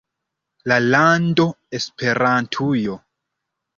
La lando Esperantujo.